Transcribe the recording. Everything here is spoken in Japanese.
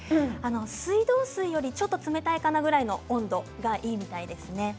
水道水よりちょっと冷たいかなぐらいの温度がいいみたいです。